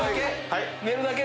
寝るだけ？